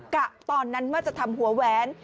กะตอนนั้นว่าจะทำหัวแหวน